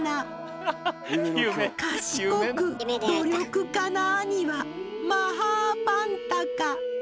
賢く努力家な兄はマハーパンタカ。